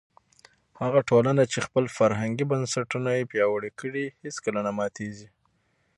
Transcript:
هغه ټولنه چې خپل فرهنګي بنسټونه پیاوړي کړي هیڅکله نه ماتېږي.